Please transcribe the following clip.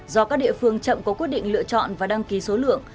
do các địa phương chậm có quyết định lựa chọn và đăng ký số lượng